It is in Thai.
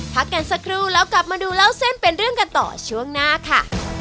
พักกันสักครู่แล้วกลับมาดูเล่าเส้นเป็นเรื่องกันต่อช่วงหน้าค่ะ